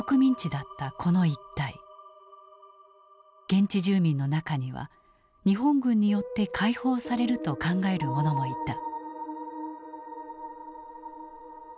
現地住民の中には日本軍によって解放されると考える者もいた。